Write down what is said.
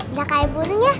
udah kayak burunya